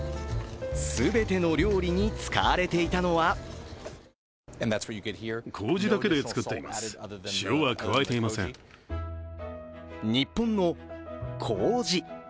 全ての料理に使われていたのは日本のこうじ。